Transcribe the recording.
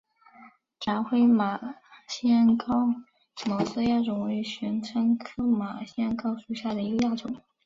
狭盔马先蒿黑毛亚种为玄参科马先蒿属下的一个亚种。